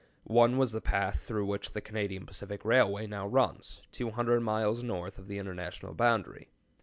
One was the pass through which the Canadian Pacific Railway now runs, 200 miles north of the international boundary.